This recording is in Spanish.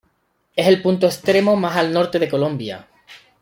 Es el punto extremo más al norte de Colombia.